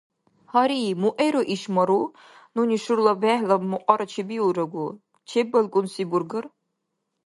Гьари, муэру иш мару? Нуни шурла бехӀлаб мукьара чебиулрагу. ЧеббалкӀунси бургар.